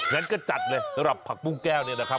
งั้นก็จัดเลยสำหรับผักปุ้งแก้วเนี่ยนะครับ